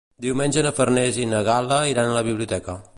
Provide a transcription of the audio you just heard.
Diumenge na Farners i na Gal·la iran a la biblioteca.